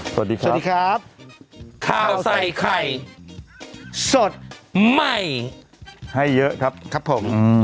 สวัสดีครับสวัสดีครับข้าวใส่ไข่สดใหม่ให้เยอะครับครับผม